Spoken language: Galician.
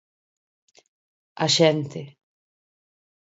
A xente.